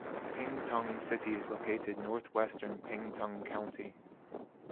Pingtung City is located northwestern Pingtung County.